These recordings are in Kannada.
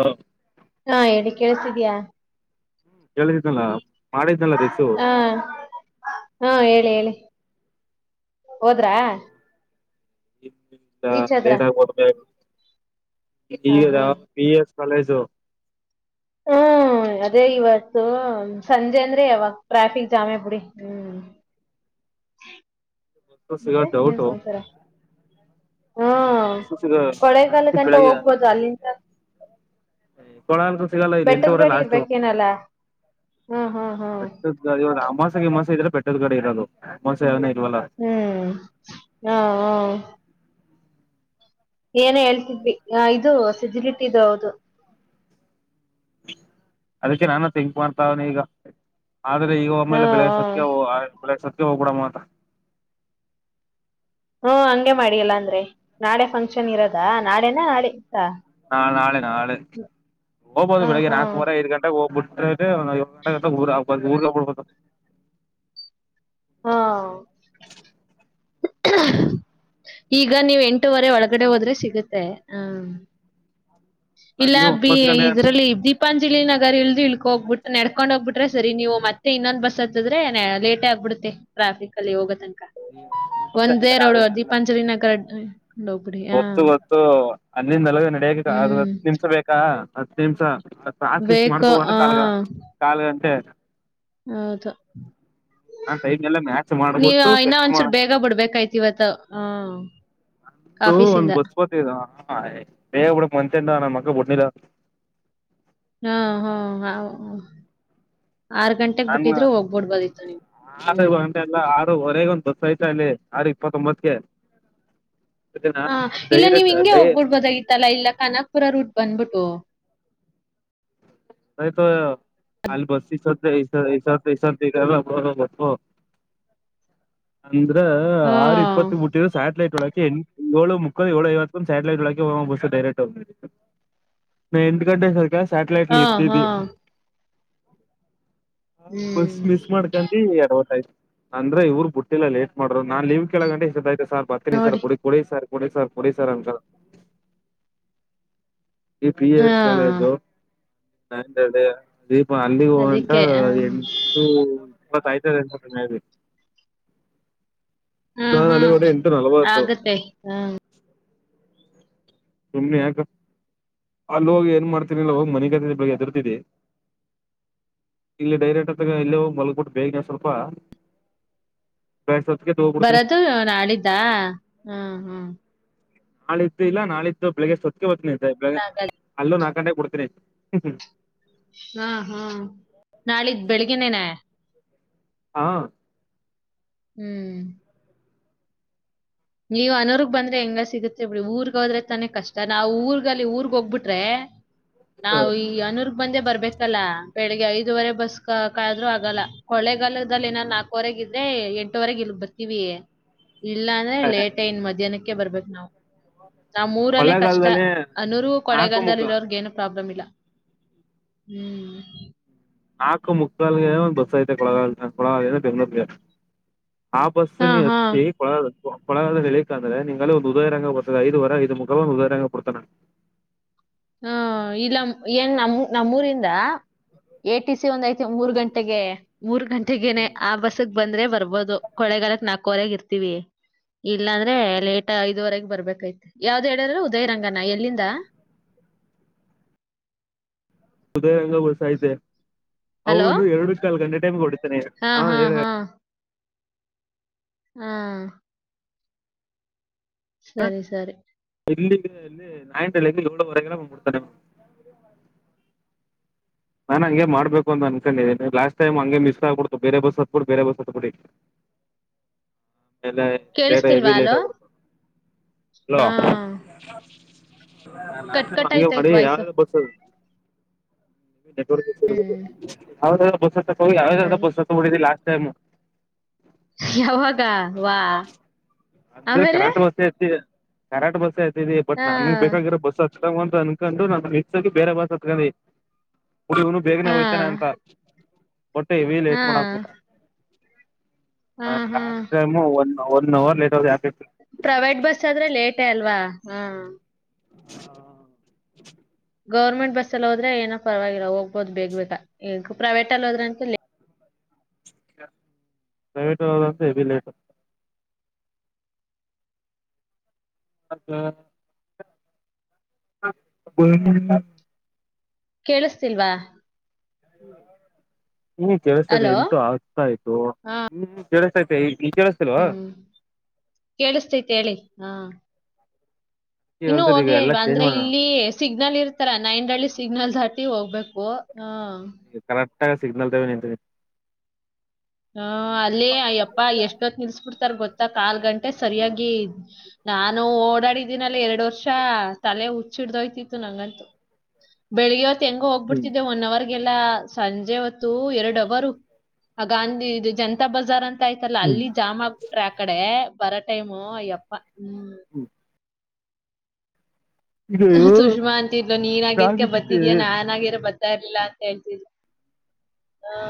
ಹಾ ಹಾ ಹೇಳಿ ಕೇಳಸ್ತಿದಿಯಾ ಹೇಳಿದ್ನಲ್ಲ ಮಾಡಿದ್ನಲ್ಲ ರಿಸು ಹಾ ಹಾ ಹೇಳಿ ಹೇಳಿ ಹೋದ್ರಾ ಇ ರೀಚ್ ಆದ್ರ ಲೇಟ್ ಓಡ್ಬೇಕ ಹ ಹಾ [unintelligible] ಬಿ ಎಸ್ ಕಾಲೇಜು ಹಾ ಹ್ಮ ಅದೇ ಇವತ್ತು ಸಂಜೆ ಅಂದ್ರೆ ಯಾವಾಗ್ ಟ್ರಾಫಿಕ್ ಜಾಮೇ ಬುಡಿ ಹ್ಮ್. ಬಸ್ಸು ಸಿಗೋ ಮತ್ತೆ ಇನ್ನೇನ್ ಡೌಟು ಸಮಾಚಾರ. ಹ್ಮ ಬಸ್ಸು ಸಿಗ ಕೊಳೆಗಾಲ ಗಂಟ ಬೆಳಗ್ಗೆ ಹೋಗ್ಬೋದು ಅಲ್ಲಿಂದ ಕೊಳ ಅಂತು ಸಿಗಲ್ಲ ಇಲ್ಲಿ ಬೆಟ್ಟದ ಎಂಟೂವರೆ ಗಾಡಿ ಲಾಸ್ಟ್ ಇರ್ಬೇಕೇನಲ್ಲ ಹ್ಮ್ ಹ್ಮ್ ಹ್ಮ್ ಬೆಟ್ಟದ್ ಅಮಾಸೆಗಿಮಾಸೆ ಇದ್ರೆ ಬೆಟ್ಟದ್ ಕಡೆ ಇರೋದು ಅಮಾಸೆ ಇಲ್ವಲ್ಲ ಹ್ಮ್ ಹಾ ಆ ಏನೇ ಹೇಳ್ತಿದ್ವಿ ಇದು ಸಿಜಿಲಿಟಿದು ಹೌದು ಅದಕ್ಕೆ ನಾನು ತಿಂಕ್ ಮಾಡ್ತಾವ್ನಿ ಈಗ ಆದ್ರೆ ಈಗ ಒಮ್ಮೆಲೆ ಹ್ಮ್ ಹ್ಮ್ ಬೆಳಸತ್ಗೆ ಬೆಳಸತ್ಗೆ ಹೋಗ್ಬಿಡಮಾಂತ ಹ್ಮ ಹಂಗಗೆ ಮಾಡಿ ಇಲ್ಲ ಅಂದ್ರೆ ನಾಳೆ ಫಂಕ್ಷನ್ ಇರೋದಾ ನಾಳೇನ ನಾಡಿ ನಾಳ್ ನಾಳೆ ನಾಳೆ ಹಾ ಹೋಗ್ಬೋದು ಬೆಳಿಗ್ಗೆ ಹಾ ನಾಲ್ಕು ವರೆ ಐದು ಗಂಟೆಗೆ ಹೋಗ್ಬು [unintelligible] ಊರ ಹಬ್ಬ ಹಾ ಈಗ ನೀವ್ ಎಂಟುವರೆ ಒಳಗಡೆ ಹೋದ್ರೆ ಸಿಗುತ್ತೆ ಹ್ಮ. ಇಲ್ಲ ಅಲ್ಲಿ ಬಿ ಒಂಬತ್ತು ಗಂಟೆ ಅಂತ ಇದ್ರಲ್ಲಿ ದೀಪಂ ಜಲಿ ನಗರ್ ಇಲ್ದ ಇಳ್ಕ ಹೋಗ್ಬಿಟ್ಟ ನಡ್ಕೊಂಡೋಗ್ಬಿಟ್ರೆ ಸರಿ ನೀವು ಮತ್ತೆ ಇನ್ನೊಂದು ಬಸ್ ಹತ್ತದ್ರೆ ಲೇಟ್ ಆಗ್ಬಿ ಟ್ರಾಫಿಕ್ ಅಲ್ಲಿ ಹೋಗೋ ತನಕ ಒಂದೇ ಅದು ರೋಡು ಎಲ್ಲ ದೀಪಾಂಜಲಿ ನಗರ ಹೋಗ್ಬಿಡಿ ಹ ಗೊತ್ತು ಗೊತ್ತು ಅಲ್ಲಿಂದ ನಲಗು ನಡೆಯಬೇಕ ಹತ್ತು ಹ್ಮ್ ನಿಮಿಷ ಬೇಕಾ ಹತ್ತು ನಿಮಿಷ ತ್ರಾಸ್ ಗೀಸ್ ಬೇಕು ಮಾಡ್ಕೋ ಬೇಡ ಹ ಕಾಲ್ಗ ಕಾಲ್ಗಷ್ಟೇ ಹೌದು ಆ ಟೈಮ್ ಎಲ್ಲ ಮ್ಯಾಚ್ ನೀವ ಮಾಡ್ಬಿಟ್ಟು ಇನ್ನ ಸೆಟ್ ಒಂದ್ ಚೂರ್ ಮಾಡದು ಬೇಗ ಬಿಡ್ಬೇಕಾಯ್ತ ಇವತ್ತು ಹಾ ತ್ತು ಒಂದ್ ಬಸ್ ಬತ್ತೆದ ಬೇಗ ಬಿಡಕ್ ಮನ್ಸೇ ಇಲ್ಲ ಆ ನನ್ ಮಕ್ಲ್ಳೀಗ [unintelligible] ಹಾ ಹೂಂ ಹಾ ಆರ್ ಗಂಟೆಗ್ ನಾನ್ ಬಿಟ್ಟಿದ್ರು ಹೋಗ್ಬಿಡ್ಬೋದಿತ್ತು ಹ್ಮ್ ಹೊರೇಗ ಒಂದು ಬಸ್ ಐತಲ್ಲಿ ಆರ್ ಇಪ್ಪತ್ತೊಂಬತ್ಕೇ ಹಾ ಇಲ್ಲ ನೀವ್ ಹಿಂಗೆ ಹೋಗ್ಬಿಡ್ಬೋದಾಗಿತ್ತಲ್ಲಾ ಇಲ್ಲ ಕಾನಾಪುರ ರೂಟ್ ಬಂದ್ಬಿಟ್ ತ್ತೋ ನೈಟು ಅಲ್ಲಿ ಬಸ್ ಗಿಸ್ ಹ [unintelligible] ಅಂದ್ರ ಹಾ ಆರು ಇಪ್ಪತ್ತು ಬಿಟ್ಟಿದ್ರೇ ಸ್ಯಾಟಲೈಟ್ ಒಳಗೆ ಏಳು ಮುಕ್ಕ ಏಳು ಐವತ್ತಂದು ಸ್ಯಾಟಿಲೈಟ್ ಒಳಕ ಬಸ್ು ಡೈರೆಕ್ಟ್ ನಾ ಎಂಟ್ ಗಂಟೆ ಸರ್ ಕಾ ಹಾ ಸ್ಯಾಟಲೈಟ್ಲೀ ಹಾ ಬಸ್ ಹ್ಮ್ ಮಿಸ್ ಮಾಡ್ಕೊಂಡಿ ಎಡವಟ್ಟಾಯ್ತ ಅಂದ್ರೆ ಇವ್ರು ಬುಟ್ಟಿಲ್ಲ ಲೇಟ್ ಮಾಡ್ರು ನಾನ್ ಲೀವ್ ಕೆೇಳ ಗಂಟ ಇಷ್ಟೊತ್ತಾಯ್ತು ಸಾರ್ ಬರ್ತೀನಿ ಸಾರ್ ನೋಡಿ ಕೊಡಿ ಸರ್ ಬುಡಿ ಸಾರ್ ಬುಡಿ ಸಾರ್ ಅ ಈ ಪಿ ಈ ಹಾ ಎಸ್ ಕಾಲೇಜು ದೀಪ ಅಲ್ಲಿಗೆ ಹೋಗಂಟ ಅದಕ್ಕೆ ಹ ಎಂಟು ಇಪ್ಪತ್ಯ್ತದೆ ಎಂತಿ ನ ಹ್ಮ್ ನಲ್ಲಿ ಹ್ಮ್ ಕೋಟ ಎಂಟು ನಲವತ್ತತ್ತೋ ಆಗತ್ತೆ ಹ ಸುಮನೆ ಯಾಕ ಅಲ್ಲಿ ಹೋಗಿ ಏನ್ ಮಾಡ್ತೀನಿಲ್ಲ ಹೋಗ್ ಮನೆಗತ್ತ ಬೆಳಗ್ಗೆ ಎದುರ್ತಿದೆ ಇಲ್ಲಿ ಡೈರೆಕ್ಟ್ ಹತ್ತಾಗ ಇಲ್ಲೇೋಗ ಮಲ್ಗಬಿಟ್ಟು ಬೇಗನೆವು ಸ್ವಲ್ಪ ಬೆಳಗ್ಗೆ ಹೊತ್ತಿಗೆ ಎದ್ದು ಹೋಗ್ಬಿಡ್ತೀನಿ ಬರದು ನಾಡಿದ್ದ ಹ್ಮ ಹ್ಮ್ ನಾಳಿದ್ದು ಇಲ್ಲ ನಾಳಿದ್ದು ಬೆಳಿಗ್ಗೆಷ್ಟ ಸೊತ್ಗೆ ಬತನಂತೆ ಬೆಳಗ್ ಅಲ್ಲ ನಾಕ ಕೊಡ್ತನ ಹಾ ಹಾ ನಾಳ ಬೆಳಿಗ್ನೇನೆ ಹಾ ಹ್ಮ್ ನೀವ್ ಅನೋರ್ಗ್ ಬಂದ್ರೆ ಹೆಂಗ ಸಿಗತ್ರಿ ಬಿ ಊರ್ಗ್ ಹೋದ್ರೆ ತಾನೇ ಕಷ್ಟ ನಾವ್ ಊರ್ಗಲ್ಲಿ ಊರ್ಗ್ ಹೋಗ್ಬಿಟ್ರೆ ನಾವು ಈ ಅನುರ್ ಬಂದೆ ಬರ್ಬೇಕಲ್ಲ ಬೆಳಿಗ್ಗೆ ಐದುವರೆ ಬಸ್ ಕಾಯ್ರು ಆಗಲ್ಲ ಹೊೊಳ್ಳೆಗಾಲದಲ್ಲಿ ಏನಾರ ನಾಲ್ಕವರೆ ್ರ ಎಂಟವರೆಗೆ ಇ ಬರ್ತವಿ ಇಲ್ಲ ಅಂದ್ರೆ ಲೇಟ್ ಐನ್ ಮಧ್ಯಾಹ್ನಕ್ಕೆ ಬರ್ಬಬೇಕು ನಾವು ನಾ್ ಮೂರಲ್ಲೇ ಕಷ್ಟ ಕೊಳ್ಳೆಗಾಲದಲ್ಲಿ ಅನ್ನೂರ್ೂ ನಾಲ್ಕು ಮುಖ ಕೊಳೆಗಾಲದಲ್ಲಿ ಇರೋರ್ಗ ಏನು ಪ್ರಾಬ್ಲಮ್ ಇಲ್ಲ ಹ್ಮ್ ನಾಲ್ಕು ಮುಕ್ಕಾಾಲ ಒಂದ್ ಬಸ್ ಐತೆ ಕೊಳಗಾಲ ಕೊಳಗಾಲ ಬೆಂಗ್ಳೂರ್ ಹಾ ಬಸ್ಸ ನೀ ಅಷ್ಟತಿ ಪಳ ಪಳಾದದ ನೆಲೆ ಕಾ ಅ್ರೆ ನೀಾೇ ಒಂದು ಉದಾರರಂಗ ಕೊಡ್ತ ಐದು ವಾರ ಇದು ಮುಗಾ ಒಂದು ಉದಾರರಾ ಕೊಡ್ತಣ ಹಾ ಇಲ್ಲ ಏನ್ ನಮ್ಮ ನಮ್ಮೂರಿಂದ ಎ ಟಿ ಸಿ ಒಂದ ಐತಿ ಮೂರ್ ಗಂಟೆಗೆ ಮೂರ್ ಗಂಟಗನೆ ಆ ಬಸ್ ಬಂದ್ರೆ ಬರ್ಬೋದು ಕೊಳೆಗಾಲಕ್ ನಾಕವರೆಗ ಇರ್ತೀವಿ ಇಲ್ಲಾಂದ್ರೆ ಲೇಟ್ ಐದುವರೆಗೆ ಬರ್ಬೇಕಾಯತ ಯಾವ್ದು ಹೇಳಿದ್ರೆ ಉದಯ ರಂಗನ ಎಲ್ಲಿಂದ ಹದಯಂಗ ಬಸ ಐತೆ ಹಲೋ ಅವನು ಎರಡು ಕಾಲ್ ಗಂಟೆ ಟೈಮ್ಗೆ ಹೊಡ ಹಾ ಹಾ ಹಾ ಹಾ ಸರಿ ಸರಿ ಇಲ್ಲಿ ಇಲ್ಲಿ ಆಯಿಂಟಲ್ಲಲ್ಲಿ ಎಲೋ ವರಗೆ್ ಕೊಡ್ತಾನ ನಾನ್ ಹಂಗೆ ಮಾಡ್ಬೇಕು ಅಂತ ಅನ್ಕೊಂಡಿದ್ದೀಿ ಲಾಸ್ಟ್ ಟೈಮ್ ಹಂಗೆ ಮಿಸ್ ಆಗ್ಬಡ್ತು ಬೇರೆ ಬಸ್ ಹತ್ಬಿ ಬೇರೆ ಬಸ್ ಹತ್ಬಿಡಿ ಹ ಲೇಟರ್ ಎವಿ ಲೇಟ್ ಕೊಡ್ತ ಅಲೋ ಹಾ ಾ ಕಟ್ ಕಟ್ ಹಗೆ ಆಯ್ತಾಯ್ತ್ ಮಾಡಿ ವಾಯ್ಸು ಯಾವ ಬರ್ಸದ ಹ್ಮ್ ಯಾವುದೇ ಯಾವುದೋ ಬಸ್ ಸತ್ತ ಹೋಗಿ ಯಾವುದೋ ಯಾವುದೋ ಹೌದು ಬಸ್ ಹತ್ತಿ ಬಂದಿಲ್ಲ ತ್ತಮ್ಮ ಯಾವಾಗ ವಾ ಹ ಅಂದ್ರೆ ಆಮೇಲೆ ಕನಾಟಕ ವಸತಿ ಕರಾಟ್ ಬಸ್ ಆಯತತಿ ಬಟ್ ಹಾ ನನ್ಗ್ ಬೇಕಾಗಿರ ಬಸ್ ಂತ ಅನ್ಕೊಂಡು ನ ಮಿಗಿ ಬೇರೆ ಬಸ್ ಹತ್ಕೊಂಡೆ ಕುಡಿ ಇನು ಬೇಗನೆ ಹಾ ಹೋಯ್ತಾನೆ ಅಂತ ಒಟ್ಟೆ ಹೆವಿಲೇಟ್ ಮಾಡಕ್ ಹ್ಮ್ ಹ್ಮ್ ಒ ಒನ್ ಅವರ್ ಲೆಟ್ತಾವ ಪ್ರೈವೇಟ್ ಬಸ್ ಆದ್ರೆ ಲೇಟೇ ಅಲ್ವಾ ಹಾ ಹಾ ಗೌರ್ಮೆಂಟ್ ಬಸ್ಲ್ಲಿ ಹೋದ್ರೆ ಏನೋ ಪರವಾಗಿಲ್ಲ ಹೋಗ್ಬೋದು ಬೇಗ್ ಬೇಗ ಈಗ ಪ್ರೈವೇಟ್ ಅಲ್ಲಿ ಹೋದ್ರೆ ಅಂತ ಪ್ರೈವೇಟ್ಂತ ಹೆವಿ ಲೆಟ್ ಹ ಬ ಕೇಳಿಸ್ತಿಲ್ವಾ ಈ ಕೆಲಸದ ಅಲೋ ಎಂತು ಆಗ್ತಾ ಇತ್ತು ಹಾ ಕೇಳಿಸ್ತಾ ತೆ ಹ್ಮ್ ಕೇಳಸ್ತೈತೆ ಹೇಳಿ ಹಾ ಈಗ ಇನ್ನುೂ ಹೇಳ್ತದೆ ಈಗ ಹೋಗ್ಲೇ ಎಲ್ಲಾ ಇಲ್ವಾ ಚೇಂಜ್ ಅಂದ್ರೆ ಮಾಡೋಣ ಇಲ್ಲಿ ಸಿಗ್ನಲ್ ಇರ್ತಾರ ನೈನ್ರಲ್ಲಿ ಸಿಗ್ನಲ್ ದಾಟಿ ಹೋಗ್ಬೇಕು ಹ ಕರೆಕ್ಟ್ಗ ಸಿಗ್ನಲ್ದಾವ ನಿಂತಿ ಹ ಅಲ್ಲೇ ಅಯ್ಯಪ್ಪಾ ಎಷ್ಟತ್ ನಿಲ್ಸ್ಬಿಡ್ತ ಗೊತ್ತಾ ಕಾಲ್ ಗಂಟೆ ಸರಿಯಾಗಿ ನಾನು ಓಡಾಡಿದೀನಿ ಅಲ್ಲಿ ಎರಡು ವರ್ಷ ತಲೆ ಹುಚ್ಚಿಡ್ದಯ್ತಿತ್ತು ನಂಗಂತೂ ಬೆಳಿಗ್ಗೆ ಹೆಂಗ ಹ್ಮ್ ಹೋಗ್ಬಿಡ್ತಿದ್ದೆ ಒನ್ ಅವರ್ಗೆಲ್ಲ ಸಂಜೆ ಹೊತ್ತು ಎರಡು ಅವರು ಗಾಂಧಿ ಇದು ಜನತಾ ಬಜಾರ್ ಅಂತ ಆಯ್ತಲ್ಲ ಹ್ಮ್ ಅಲ್ಲಿ ಜಾಮ್ ಆಗ್ಬಿಟ್ರೆ ಆಕಡೆ ಬರ ಟ್ಟಮೋ್ಯಪ್ಪ ಹ್ಮ್ ಸುಷ್ಮಾ ಅಂತಿದ್ಲು ನೀನ್ ಆಗೇದಕ್ಕೆ ಟ್ರಾಫಿಕ್ ಇತ್ತು ಬತಿದ್ಯಾಾ ನಾನ್ ಆಗಿರೋ ಬತ್ತ ಸರಿಲ್ಲಾ ಅಂತ ಹೇಳ್ತ ಹ್ಮ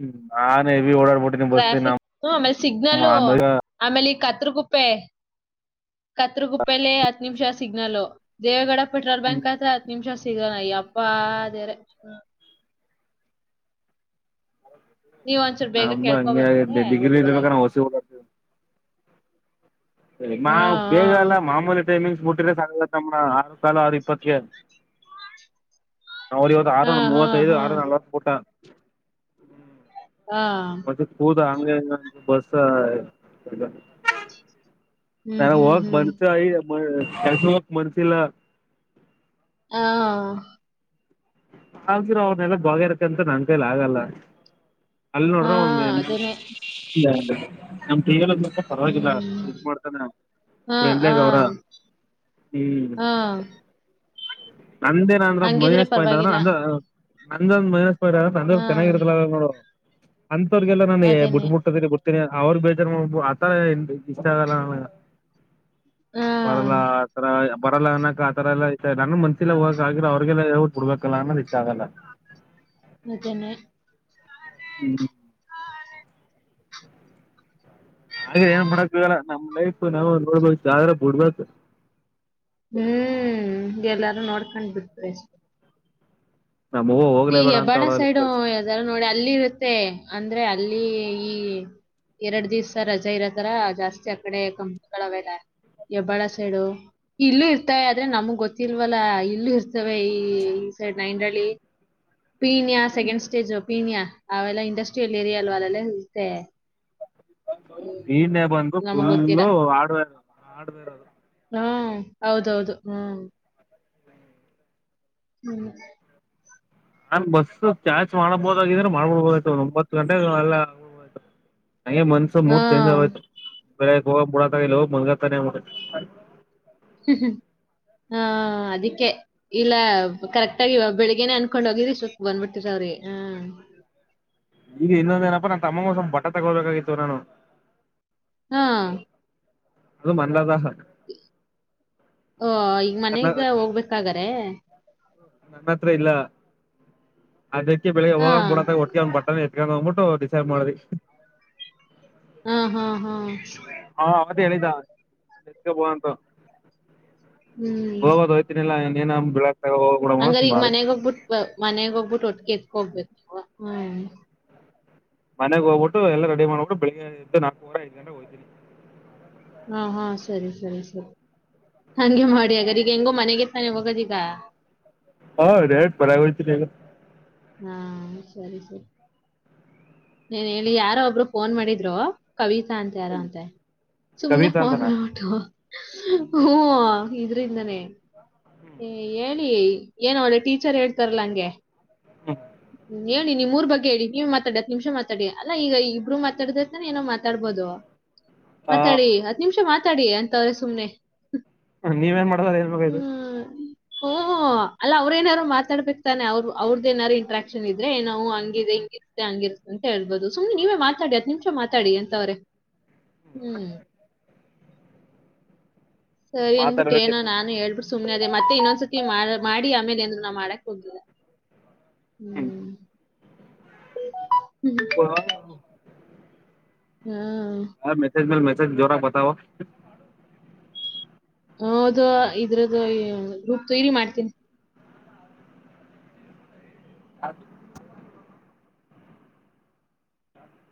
ಹ್ಮ ನಾನ ಹೆವಿ ಓಡ ಟ್ರಾಫಿಕ್ ಆಮೇಲೆ ಸಿಗ್ನಲ್ಲ ಹ್ಮ್ ಆಮೇಲೆ ಈ ಕತ್ರಕುಪ್ಪೆ ಕತ್ಗುಪ್ಪಲಿ ಹತ್ತು ನಿಮಿಷ ಸಿಗ್ನಲ್ ದೇಗೌಡ ಪೆಟ್ರೋಲ್ ಬ್ಯಾಂಕ್ ಹತ್ರ ಹತ್ತುತ್ ನಿಮಿಷ ಸಿಗೋಣಯ ಅಪ್ಪ ಅದೇರೆ ನೀವ್ ಒಂಚೂರು ಬೇಗ ನಮ್ದು ಕೇಳ್ಕೊ ಹಂಗಿೆ ಬಂದ್ರೆ ಡಿಗ್ರಿ ಇರ್ಬೇಕ ಹೋಗ್ಬೋದಾಗಿತ್ತು ನಾವುಸಿವಿ ಸ ಹಾ ಮಾವು ಹಾ ಬೇಗ ಅಲ್ಲ ಮಾಮೂಲಿ ಟೈಮಿಂಗ್ ಮುಟ್ಟ ಸಾಲ ತಮ್ಮ ಆರು ಕಾಲ ಆರು ಇಪ್ಪತ್ತಗೆ ನಾ ಇವತ್ತು ಹಾ ಆರು ಹಾ ಮೂವತ್ತೈಐದು ಹಾ ಆರು ನವ ಪಊಟ ಹಾ ಮತ್ತೆ ಕೂದ ಹಂಗೆ ಬಸ್ಸ ಹ್ಮ್ ಸ ಹ್ಮ್ ಹಕ್ ಹ್ಮ್ ಮನ್ಸ ಆಯಿ ಕೆಲಸ ಹೋಗಾಕ ಮನ್ಸಿಲ್ಲ ಹಾ ಆದರು ಅವನ್ನೆಲ್ಲ ಬಾಗ್ಯಾರಕಂತ ನನ್ ಕೈಲಿ ಆಗಲ್ಲ ಅಲ್ಲಿ ಹಾ ನೋಡ್ರ ಒಂದ್ ಅದೇನೆ ಇ ನ ಪರವಾಗಿಲ್ಲ ಹ್ಮ್ ಇ ಮಾಡ್ತಾನೆ ಹಾ ಹಾ ್ರೆಂಡ್ಗ ಅವ್ರ ಹ್ಮ್ ಹಾ ನಂದೇನ ಅಂದ್ರ ಹಂಗಿದ್ರೆ ಮಹೇಶ್ ಪಾಯಿಂಟ್ ಆದ್ರ ಪರವಾಗಿಲ್ಲ ನಂದ ನಂದ್ ಮಹೇಶ್ ಪಾಯಿಂಟ್ ಆದ್ರ ನಂದ ಹಾ ಚೆನ್ನಾಗಿರತ್ತಲಲ್ಲ ನೋ ಅಂತವ್ರರಿಗೆಗೆಲ್ಲ ನಾನೇ ಅದೇನೆ ಬಿಡ್ಬ ಬಿಟ್ಟತ ಅವರು ಬೇಜಾರ ಆತ ಇಷ್ಟ ಆಗಲ್ಲ ನ ಹಾ ಬರಲ್ಲ ಆತರ ಬರಲ್ಲ ನಕ ಆತರ ಎಲ್ಲಾ ನಾನು ಮಂತ್ಲ್ಲ ಹೋಗಕ್ ಆಗ್ರೆ ಅವ್ರಿಗೆಲ್ಲ ಯ ಬಿಡ್ಬೇಕಲ್ಲ ಅನ್ನೋಕ್ಕ ಆಗಲ್ಲ ಅತ್ತನ್ನೆ ಹ್ಮ್ ಹಾಗ ಏನ್ ಮಾಡಕ್ಲ್ಲ ನಮ್ ಲೈಫ್ ನಾವು ನೋಡ್ಬ್ರ ಬಿಡ್ಬೇಕು ಹ್ಮ್ ಎಲ್ಲಾರು ನೋಡ್ಕೊಂಡ್ ಬಿಟ್ಟರು ಅಷ್ಟೇ ನಮ್ ಅವ್ವ ಈ ಹೋಗ್ಲೇಬೇಡ ಅಂತ ಹೆಬ್ಬಾಳ ಅವಳಲ್ಲಿ ಸೈಡು ಕೆಲ್ಸ ಯದಾರ ನೋಡಿ ಅಲ್ಲಿ ಇರುತ್ತೆ ಅ ಅಂದ್ರೆ ಅಲ್ಲಿ ಈ ಎರಡ್ ದಿವ್ಸ ರಜಾ ಇರತ್ತರ ಜಾಸ್ತಿ ಆಕಡೆ ಕಂಪಗಳ ಅವೆಲ್ಲ. ಯಬ್ಬಾಳ ಸೈಡು ಇಲ್ಲೂ ಇರ್ತವೆ ಆದ್ರೆ ನಮ್ಗ್ ಗೊತ್ತಿಲ್ವಲ್ಲ ಇಲ್ಲೂ ಇರ್ತವೆ ಈ. ಸೈಡ್ ನ ಇಂಡಳಿ ಪೀನ್ಿಯಾ ಸೆಕಂಡ್ ಸ್ಟೇಜು ಪೀನ್ಯಾ ಅವೆಲ್ಲ ಇಂಡಸ್ಟ್ರಿಯಲ್ ರಿಯಾಲ ವಳೆಲ್ಲ ಇತ್ತ ನೀನ್ನೇ ಬಂದು ನಮಗ್ ಗೊತ್ತಿಲ್ಲ ಫುಲ್ಲು ಆಡ್ ಆಡ್ರ ಹ್ಮ್ ಹೌದೌದು ಹ್ಮ್ ಹ್ಮ್ ನಾನ್ ಬಸ್ ಚಾರ್ಚ್್ ಮಾಡ್ಬೋದಾಗಿದ್ರೆ ಮಾಡ್ಬೊಡ್ಬೋದತ ಒ ಒಂಬತ್ತು ಗಂಟೆಗಳೆಬ ನಂಗೆ ಮನ್ಸು ಮೂರ್ ಚೇಂಜ್ ಆಗಯತ್ ಹಾ ಬೆಗ್ ಹೋಗಡಕ ಹೋಗ ಮತ ಹ್ಮ್ ಹ್ಮ್ ಹಾ ಅದಕ್ಕೆ ಇಲ್ಲ ಕರೆಕ್ಟಾಗಿಗ ಬೆಳಿಗ್ಗೆನೆ ಅನ್ಕೊಂಡ್ ಹೋಗಿದ್ರಿ ಸುಕ್ ಬಂದ್ಬಿಟ್ಟಿರ ಸರಿ ಹ್ಮ ಈಗ ಇನ್ನೊಂದ ಏನಪ್ಪಾ ನನ್ ತಮ್ಮಂಗ ಸ್ವಮ್ಮಪ ಬಟ್ಟ ತಗೋಬೇಕಾಗಿತ್ತು ನಾನು ಹಾ ಅದು ಮನ್ಲದ ಹ ಈಗ ಮನೆ ನನ್ನ ಇಂದ ಹೋಗ್ಬೇಕಾಗಾರೆ ನನ್ನ ಹತ್ರ ಇಲ್ಲ ಅದಕ್ಕೆ ಬೆಳಿಗ್ಗೆ ಹಾ ಹೋಗೊಂಡ್ ಬಿಡದ ಒಟ್ಟಕ ಬಟ್ಟ ಎಟ್ಕೊಂಡೋಗ್ಬಿಟ್ಟು ಡಿಸೈಡ್ ಮಾಡ್ದಿ ಹ್ಮ್ ಹ್ಮ್ ಹ್ಮ್ ಹಾ ಅದೇ ಹೇಳಿದಾ ನಿತ್ಕಬೋಂತ ಹ್ಮ್ ಹೋಗದು ಹೋಗ್ತೀನಿಲ್ಲಾ ಇನ್ನೇನ. ಹೋಗ್ಬಿಡಮ ಹಂಗ್ರ ಈಗ ಸುಮಾರು ಮನೆಗ ಹೋಗ್ಬಿಟ್ಟ ಮನೆಗ್ ಹೋಗ್ಬಿಟ್ಟು ಒಟ್ಟಿಗೆ ಎತ್ಕ ಹೋಗ್ಬೇಕು ಹ್ಮ್ ಮನೆಗಗ್ ಹೋಗ್ಬಿಟ್ಟು ಎಲ್ಲಾ ರೆಡಿ ಮಾಡ್ಬಿಟ್ಟು ಬೆಳಗ್ ಎದ್ದ ನಾಲ್ಕವರೆ ಐದ್ ಗಂಟೆಗೆ ಹೋಗ್ತೀನಿ ಹಾ ಹಾ ಸರಿ ಸರಿ ಸರಿ ಹಂಗೆ ಮಾಡಿ ಅಗದ ಈಗ ಹೆಂಗೋ ಮನೆಗೆ ತಾನ ಹೋಗದೀಗ ಹಾ ಡೈರೆಕ್ಟ್ ಮನೆಗೆ ಹೋಗ್ತೀನಿ ಈಗ ಹಾ ಸರಿ ಸರಿ ನೀಏನ್ ಹೇಳಿ ಯಾರೋ ಒಬ್ರು ಫೋನ್ ಮಾಡಿದ್ರು ಕವಿತ ಸುಮ್ನೆ ಕವಿತಾ ಅಂತನ ಫೋನವ. ಹ್ಮ ಇದ್ರಿಂದಾನೇ. ಏ ಹೇಳಿ ಏನ ಅವಳೆ ಟೀಚರ್ ಹೇಳ್ತಾರಲ್ಲ ಹಂಗೆ ಹ್ಮ್ ಹೇಳಿ ನಿಮ್ರ್ ಬಗ್ಗೆ ಹೇಳಿ ನೀವ್ ಮಾತಾಡತ್ ನಿಮಿಷ ಮಾತಾಡಿ ಅಲ್ಲ ಈಗ ಇಬ್ಬರು ಮಾತಾಡ್ದತಾನ ಏನೋ ಮಾತಾಡ್ಬುದು. ಹಬೋದು ಹಾ ಮಾತಾಡಿ ಹತ್ ನಿಮಿಷ ಮಾತಾಡಿ ಅಂತವ್ರೆ ಸುಮ್ನೆ ನೀವೇನ್ ಮಾಡಿದರೆ ಅಂಬೆಕಿತ್ತು ಹ್ಮ ಅಲ್ಲ ಅವ್ರೇಏನಾರು ಮಾತಾಡ್ಬೇಕಕ್ ತಾನೆ ಅವ್ರರು ಅವ್ರದ ಏನಾರ್ರು ಇಂಟ್ರಾಕ್ಷನ್ ಇದ್ರೆ ನಾವು ಹಂಗಿದೆ. ಹಿ ಹಂಗಿರ್ತೆ ಅಂತ ಹೇಳ್ಬೋದು ಸುಮ್ನೆ ನೀವೇ ಮಾತಾಡಿ ಹತ್ ನಿಮಿಷ ಮಾತಾಡಿ ಎಂತವ್ರೆ. ಹ್ಮ್ ಸರಿ ಅನ್ಬಿಟ್ಟ ಏನೋ ಮಾತಾಡ್ಬೇಕಿತ್ತು ನಾನು ಹೇಳ್ಬಿಟ್ಟ ಸುಮ್ಮನೆ ಅದೆ ಮತ್ತೆ ಇನ್ನೊಂದ್ಸತಿ ಮಾಡಿ ಆಮೇಲೆ ಅಂದ್ರು ನಾ ಮಾಡಕ್ ಹೋಗ್. ಹ್ಮ್ [inaudible] [inaudible] [inaudible] ಹ್ಮ್ ಹಾ ಮೆಸಜ ಮೇಲೆ ಮೆಸಜ ಜೋರಾಕ ಬತವ. ಹದು ಇದ್ರದು ಗ್ರೂಪ ಥಿಯರಿ ಮಾಡ್ತೀನಿ ಅದು [inaudible]